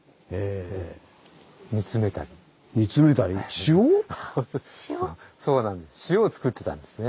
塩をつくってたんですね。